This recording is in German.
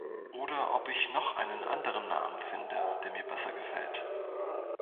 Oder ob ich noch einen anderen Namen finde, der mir besser gefällt.